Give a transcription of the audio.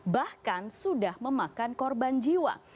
bahkan sudah memakan korban jiwa